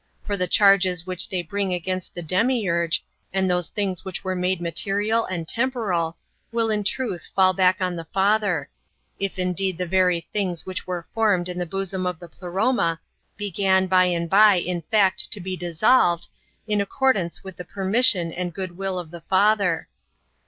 For the charges which they bring against the Demiurge, and those things which were made material and temporal, will in truth fall back on the Father; if indeed the^ very things which were formed in the bosom of the Pleroma began by and by in fact to be dissolved, in accord ance with the permission and good will of the Father.